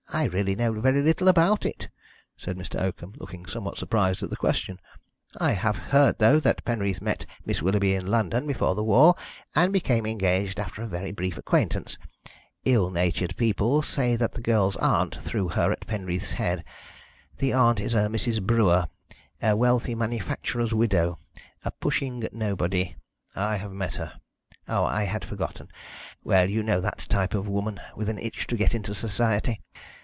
"I really know very little about it," said Mr. Oakham, looking somewhat surprised at the question. "I have heard, though, that Penreath met Miss Willoughby in London before the war, and became engaged after a very brief acquaintance. Ill natured people say that the girl's aunt threw her at Penreath's head. The aunt is a Mrs. Brewer, a wealthy manufacturer's widow, a pushing nobody " "I have met her." "I had forgotten. Well, you know that type of woman, with an itch to get into Society.